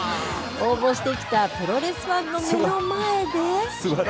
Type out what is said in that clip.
応募してきたプロレスファンの目の前で。